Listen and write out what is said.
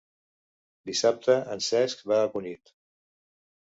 Dissabte en Cesc va a Cunit.